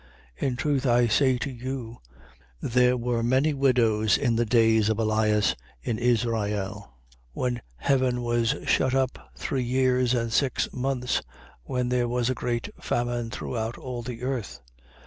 4:25. In truth I say to You, there were many widows in the days of Elias in Israel, when heaven was shut up three years and six months, when there was a great famine throughout all the earth.